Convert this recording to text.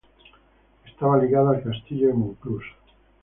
Estaba ligada al Castillo de Monclús.